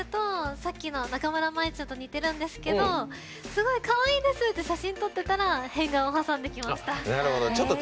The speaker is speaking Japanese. さっきのと似てるんですけどかわいいです！って写真を撮ってたら変顔を挟んできました。